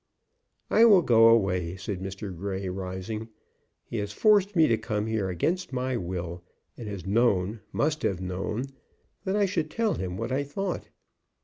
"I will go away," said Mr. Grey, rising. "He has forced me to come here against my will, and has known, must have known, that I should tell him what I thought.